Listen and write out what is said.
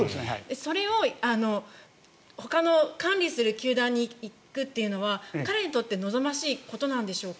それを、ほかの管理する球団に行くというのは彼にとって望ましいことなんでしょうか？